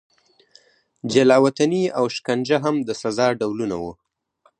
جلا وطني او شکنجه هم د سزا ډولونه وو.